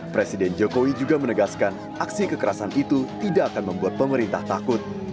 presiden jokowi juga menegaskan aksi kekerasan itu tidak akan membuat pemerintah takut